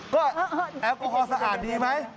ก็แอลกอฮอลสะอาดดีไหม